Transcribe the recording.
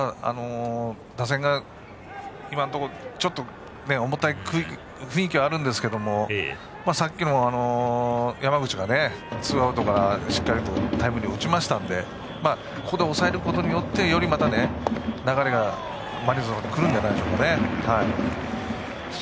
打線が今のところはちょっと重たい雰囲気はありますがさっき、山口がツーアウトからしっかりタイムリーを打ったのでここで抑えることによってより、流れがマリーンズのほうにくるんじゃないでしょうかね。